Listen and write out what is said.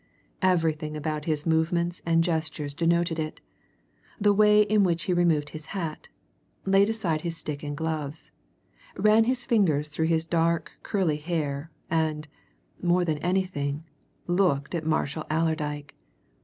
Everything about his movements and gestures denoted it the way in which he removed his hat, laid aside his stick and gloves, ran his fingers through his dark, curly hair, and more than anything looked at Marshall Allerdyke.